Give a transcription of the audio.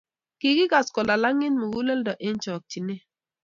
Kikas kolalangit muguleldo eng chokchinet